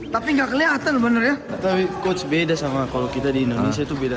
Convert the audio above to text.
tapi nggak kelihatan bener ya tapi coach beda sama kalau kita di indonesia itu beda